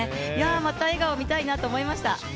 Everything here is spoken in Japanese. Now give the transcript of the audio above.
また笑顔、見たいなと思いました。